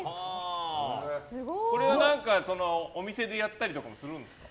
これは、お店でやったりとかもするんですか？